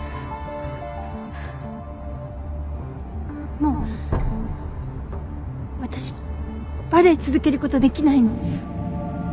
もう私バレエ続けることできないの